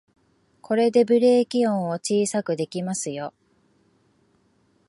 これでブレーキ音を小さくできますよ